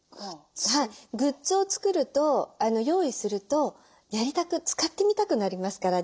グッズを作ると用意するとやりたく使ってみたくなりますから。